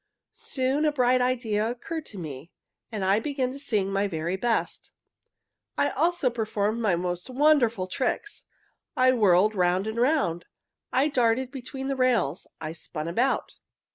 Soon a bright idea occurred to me. I began to sing my very best. I also performed my most wonderful tricks. I whirled round and round. I darted between the rails. I spun about.